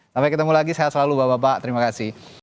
sampai ketemu lagi sehat selalu bapak bapak terima kasih